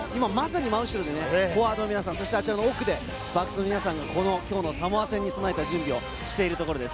真後ろでフォワードの皆さん、奥でバックスの皆さんが、きょうのサモア戦に備えた準備をしているところです。